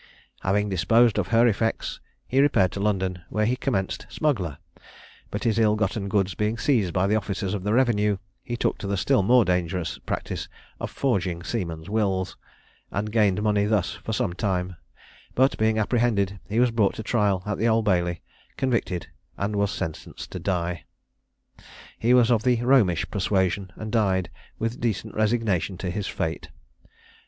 Having disposed of her effects, he repaired to London, where he commenced smuggler: but his ill gotten goods being seized on by the officers of the revenue, he took to the still more dangerous practice of forging seamen's wills, and gained money thus for some time; but, being apprehended, he was brought to trial at the Old Bailey convicted, and was sentenced to die. He was of the Romish persuasion, and died with decent resignation to his fate.